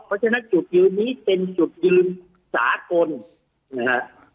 เพราะฉะนั้นจุดยืนนี้เป็นจุดยืนสากลนะฮะ